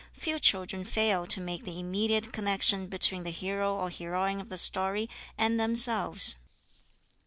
Few children fail to make the immediate connection between the hero or heroine of the story and themselves."